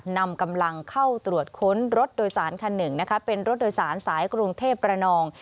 นำกำลังเข้าตรวจค้นรถโดยสารคันหนึ่งนะคะเป็นรถโดยสารสายกรุงเทพประนอง